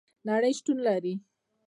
نړۍ شتون لري